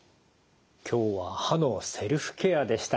今日は歯のセルフケアでした。